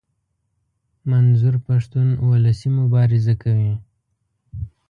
منظور پښتون اولسي مبارزه کوي.